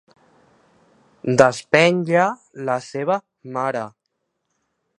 Despenja la seva mare.